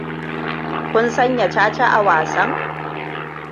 Kun sanya caca a wasan?